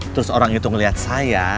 terus orang itu ngeliat saya